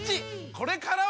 これからは！